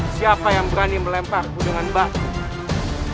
siapa yang berani melemparku dengan bak